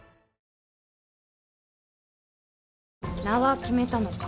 名は決めたのか。